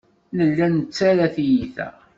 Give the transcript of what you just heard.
Nella nettarra tiyita.